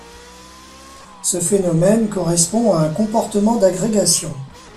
Ce phénomène correspond à un comportement d'agrégation.